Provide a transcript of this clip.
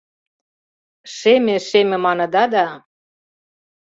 Шеме, шеме маныда да